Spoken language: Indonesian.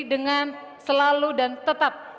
dengan selalu dan tetap